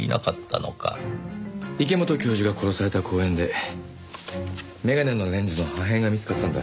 池本教授が殺された公園で眼鏡のレンズの破片が見つかったんだ。